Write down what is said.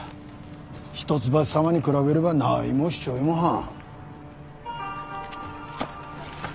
一橋様に比べれば何もしちょりもはん。